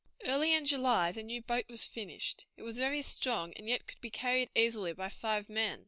Early in July the new boat was finished. It was very strong, and yet could be carried easily by five men.